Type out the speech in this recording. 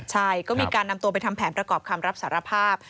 ใช่ก็มีการนำตัวไปทำแผนประกอบคำรับสารภาพ